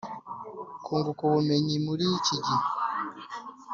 Kunguka ubumenyi muri iki gihe